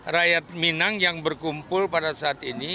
rakyat minang yang berkumpul pada saat ini